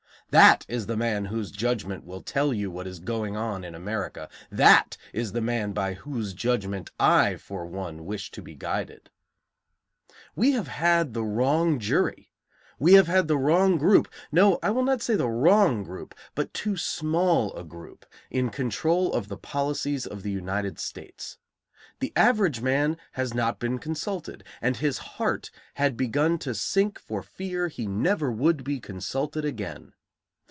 That is the man whose judgment will tell you what is going on in America; that is the man by whose judgment I, for one, wish to be guided. We have had the wrong jury; we have had the wrong group, no, I will not say the wrong group, but too small a group, in control of the policies of the United States. The average man has not been consulted, and his heart had begun to sink for fear he never would be consulted again.